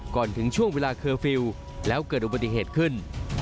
ถึงช่วงเวลาเคอร์ฟิลล์แล้วเกิดอุบัติเหตุขึ้น